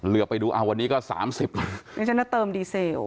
เหลือไปดูวันนี้ก็ต้องเติมดีเซล